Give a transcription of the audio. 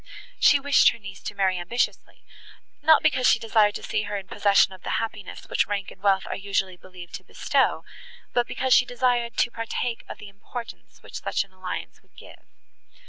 She wished her niece to marry ambitiously, not because she desired to see her in possession of the happiness, which rank and wealth are usually believed to bestow, but because she desired to partake the importance, which such an alliance would give.